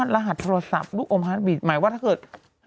รหัสโทรศัพท์ลูกอมฮาร์บีดหมายว่าถ้าเกิด